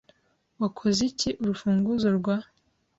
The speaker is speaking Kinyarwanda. Wakoze iki urufunguzo rwa ?